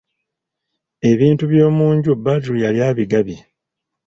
Ebintu by'omunju Badru yali abigabye.